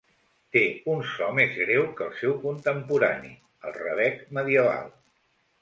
Té un so més greu que el seu contemporani el rebec medieval.